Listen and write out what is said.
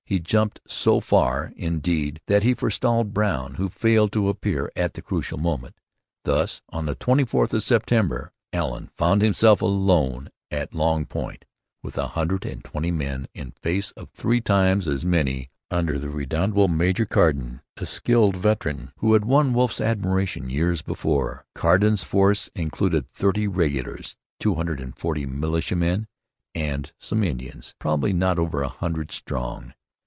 He jumped so far, indeed, that he forestalled Brown, who failed to appear at the critical moment. Thus, on the 24th of September, Allen found himself alone at Long Point with a hundred and twenty men in face of three times as many under the redoubtable Major Carden, a skilled veteran who had won Wolfe's admiration years before. Carden's force included thirty regulars, two hundred and forty militiamen, and some Indians, probably not over a hundred strong.